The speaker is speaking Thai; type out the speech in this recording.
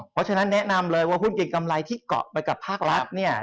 เพราะฉะนั้นแนะนำเลยว่าหุ้นเก่งกำไรที่เกาะไปกับภาครัฐเนี่ย